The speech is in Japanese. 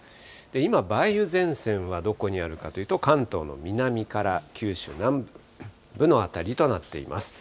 今、梅雨前線はどこにあるかというと、関東の南から九州南部の辺りとなっています。